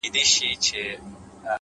هره هڅه راتلونکی بدلوي؛